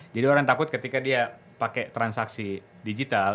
jadi orang takut ketika dia pakai transaksi digital